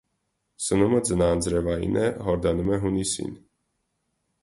Սնումը ձնաանձրևային է, հորդանում է հունիսին։